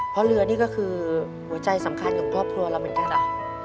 เพราะเรือนี่ก็คือหัวใจสำคัญของครอบครัวเราเหมือนกันนะ